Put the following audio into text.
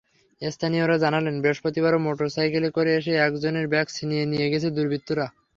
স্থানীয়রা জানালেন, বৃহস্পতিবারও মোটরসাইকেলে করে এসে একজনের ব্যাগ ছিনিয়ে নিয়ে গেছে দুর্বৃত্তরা।